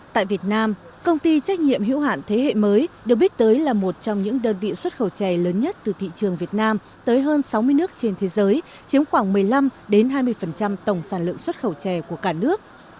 tại việt nam công ty trách nhiệm hữu hạn thế hệ mới được biết tới là một trong những đơn vị xuất khẩu chè lớn nhất từ thị trường việt nam tới hơn sáu mươi nước trên thế giới chiếm khoảng một mươi năm hai mươi tổng sản lượng xuất khẩu chè của cả nước